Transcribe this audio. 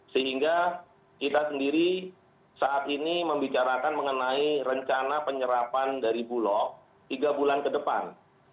sehingga kita sendiri saat ini membicarakan mengenai rencana penyerapan dari bulog tiga bulan ke depan